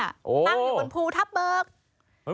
ตั้งอยู่บนภูทับเบิก